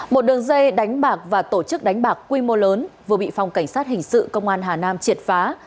một đường dây đánh bạc và tổ chức đánh bạc quy mô lớn vừa bị phòng cảnh sát hình sự công an hà nam triệt phá